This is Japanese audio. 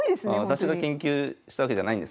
私が研究したわけじゃないんですけども。